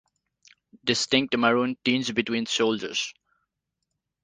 Distinct maroon tinge between shoulders.